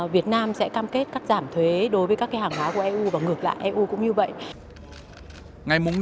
việt nam sẽ cam kết cắt giảm thuế đối với các hàng hóa của eu và ngược lại eu cũng như vậy